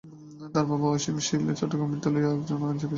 তার বাবা অসীম শীল চট্টগ্রাম আদালতের একজন আইনজীবীর সহকারী হিসেবে কাজ করেন।